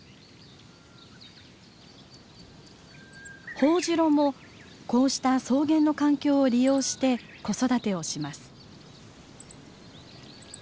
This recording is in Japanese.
ホオジロもこうした草原の環境を利用して子育てをします。